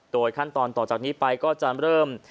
ขั้นตอนต่อจากนี้ไปก็จะเริ่ม